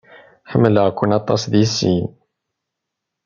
Ḥemmleɣ-ken aṭas di sin.